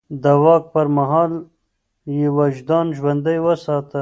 د واک پر مهال يې وجدان ژوندی وساته.